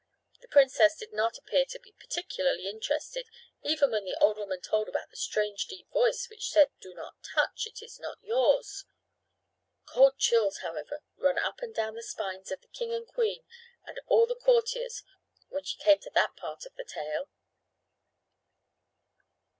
The princess did not appear to be particularly interested even when the old woman told about the strange deep voice which said, "Do not touch. It is not yours." Cold chills, however, ran up and down the spines of the king and queen and all the courtiers when she came to that part of the tale.